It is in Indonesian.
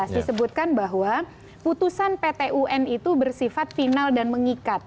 disebutkan bahwa putusan pt un itu bersifat final dan mengikat